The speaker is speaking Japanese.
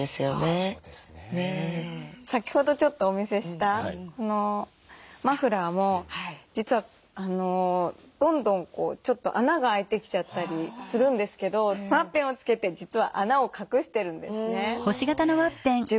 先ほどちょっとお見せしたこのマフラーも実はどんどんちょっと穴が開いてきちゃったりするんですけどワッペンを付けて実は穴を隠してるんですね。